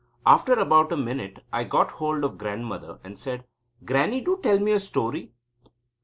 After about a minute I got hold of Grandmother, and said: "Grannie, do tell me a story."